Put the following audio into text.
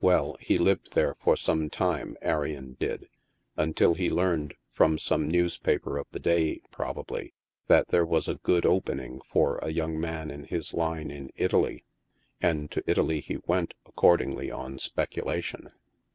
Well, he lived there for some time, Arion did, until he learned, from some newspaper of the day, probably, that there was a good opening for a young man in his line in Italy, and to Italy he went, accordingly, on speculation.